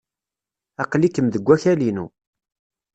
Aql-ikem deg wakal-inu.